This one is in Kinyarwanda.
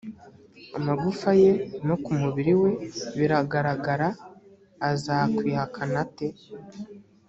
amagufwa ye no ku mubiri we biragaragara azakwihakana ate‽